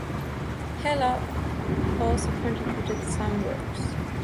Heller also contributed some works.